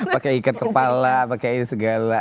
pakai ikat kepala pakai ini segala